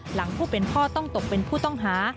หลังผู้เป็นพ่อต้องตกเป็นผู้ต้องหา